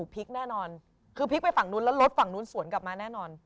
พลิกไปฝั่งนู้นแล้วส่วนกลับมาแน่นอน